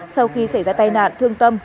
sau khi xảy ra tai nạn thương tâm